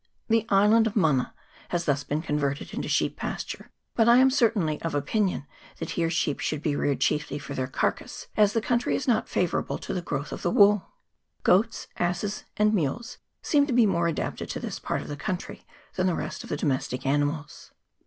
The island of Mana has been thus converted into sheep pasture ; but I am certainly of opinion that here sheep should be reared chiefly for their carcase, as the country is not favourable to the CHAP. X.J COOK'S STRAITS. 187 growth of the wool. Goats, asses, and mules seem to be more adapted to this part of the country than the rest of the domestic animals.